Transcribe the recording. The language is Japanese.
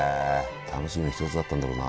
楽しみの一つだったんだろうな。